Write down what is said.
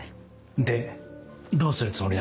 でどうするつもりだ？